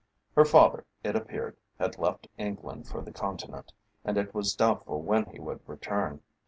Her father, it appeared, had left England for the Continent, and it was doubtful when he would return.